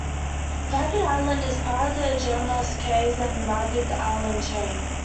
Ragged Island is part of the Jumentos Cays and Ragged Island Chain.